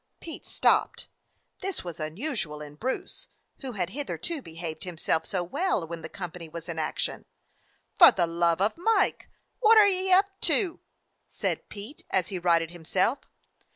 Pete stopped. This was unusual in Bruce, who had hitherto behaved himself so well when the company was in action. "For the love of Mike! What are ye up to?" said Pete as he righted himself.